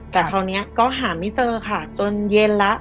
แต่คราวนี้ก็หาไม่เจอค่ะจนเย็นแล้ว